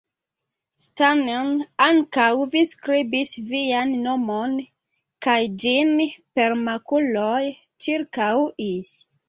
Stanen, ankaŭ vi skribis vian nomon kaj ĝin per makuloj ĉirkaŭis!